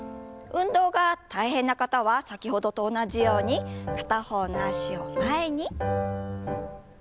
運動が大変な方は先ほどと同じように片方の脚を前に。